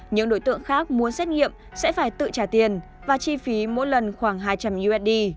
những đối tượng khác muốn xét nghiệm sẽ phải tự trả tiền và chi phí mỗi lần khoảng hai trăm linh usd